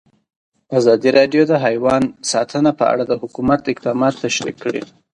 ازادي راډیو د حیوان ساتنه په اړه د حکومت اقدامات تشریح کړي.